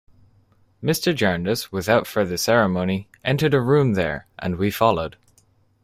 Mr. Jarndyce without further ceremony entered a room there, and we followed.